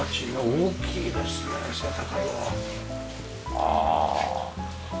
ああ。